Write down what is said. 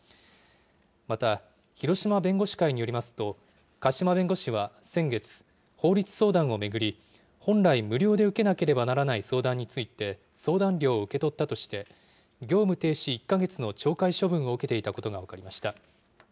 また、広島弁護士会によりますと加島弁護士は先月、法律相談を巡り、本来、無料で受けなければならない相談について、相談料を受け取ったとして、業務停止１か月の懲戒処分を受けていたことが分かりました。